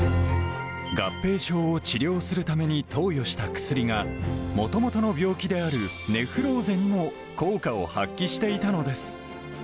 合併症を治療するために投与した薬が、もともとの病気であるネフローゼにも効果を発揮していたのです。